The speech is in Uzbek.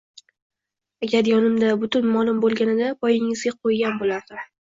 Agar yonimda butun molim bo‘lganida poyingizga qo‘ygan bo‘lardim